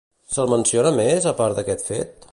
Se'l menciona més a part d'aquest fet?